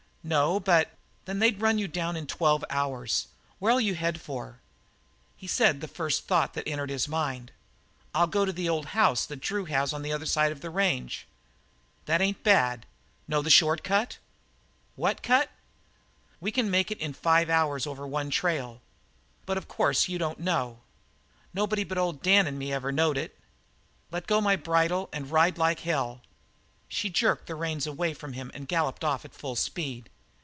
"No, but " "Then they'd run you down in twelve hours. Where'll you head for?" He said, as the first thought entered his mind: "I'll go for the old house that Drew has on the other side of the range." "That ain't bad. Know the short cut?" "What cut?" "You can make it in five hours over one trail. But of course you don't know. Nobody but old Dan and me ever knowed it. Let go my bridle and ride like hell." She jerked the reins away from him and galloped off at full speed.